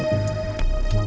terima kasih pak chandra